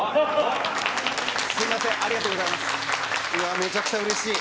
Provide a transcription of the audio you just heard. めちゃくちゃうれしい。